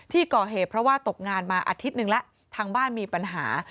ที่ก่อเหตุเพราะว่าตกงานมาอาทิตย์หนึ่งแล้วทางบ้านมีปัญหา